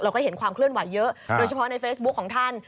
ก็เห็นความเคลื่อนไหวเยอะโดยเฉพาะในเฟซบุ๊คของท่าน